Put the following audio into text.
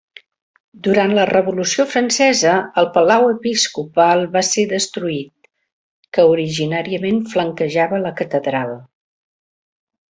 Durant la revolució francesa, el palau episcopal va ser destruït, que originalment flanquejava la catedral.